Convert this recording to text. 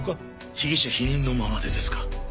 被疑者否認のままでですか？